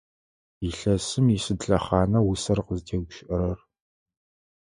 Илъэсым исыд лъэхъана усэр къызтегущыӏэрэр?